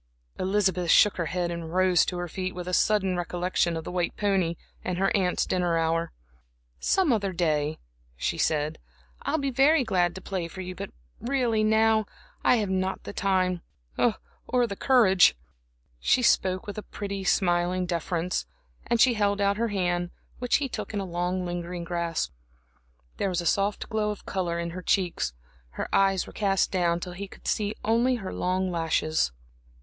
Elizabeth shook her head and rose to her feet, with a sudden recollection of the white pony and her aunt's dinner hour. "Some other day," she said, "I'll be very glad to play for you, but really now I have not the time or the courage." She spoke with a pretty, smiling deference, and she held out her hand, which he took in a long, lingering grasp. There was a soft glow of color in her cheeks, her eyes were cast down till he could see only her long lashes.